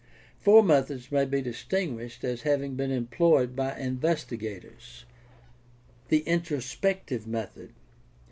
Four methods may be distin guished as having been employed by investigators. The introspective method.